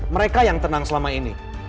mereka yang tenang selama ini